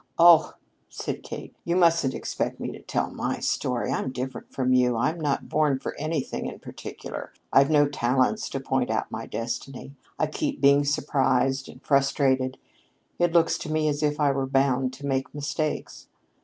"Oh," said Kate, "you mustn't expect me to tell my story. I'm different from you. I'm not born for anything in particular I've no talents to point out my destiny. I keep being surprised and frustrated. It looks to me as if I were bound to make mistakes.